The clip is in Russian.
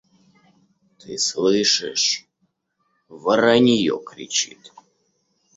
Ты слышишь: воронье кричит.